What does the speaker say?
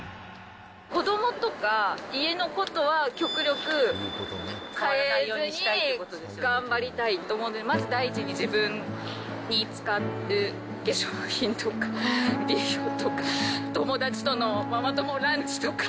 子どもとか家のことは極力変えずに頑張りたいと思うんで、まず第一に自分に使っている化粧品とか、美容とか、友達とのママ友ランチとか。